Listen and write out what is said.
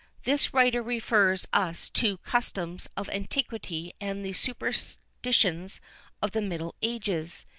This writer refers us to the customs of antiquity and the superstitions of the middle ages.